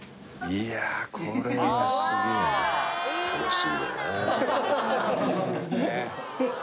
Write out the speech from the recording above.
いやこれはすげえな楽しみだよね